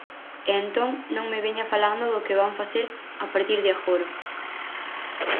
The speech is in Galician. E entón non me veña falando do que van facer a partir de agora.